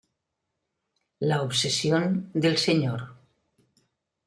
La obsesión del Sr.